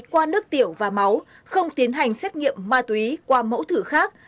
qua nước tiểu và máu không tiến hành xét nghiệm ma túy qua mẫu thử khác